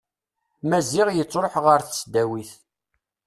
Maziɣ yettruḥ ɣer tesdawit.